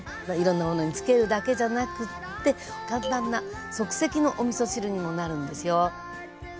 いろんなものにつけるだけじゃなくって簡単な即席のおみそ汁にもなるんですよ。